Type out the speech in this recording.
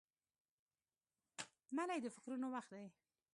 منی د فکرونو وخت دی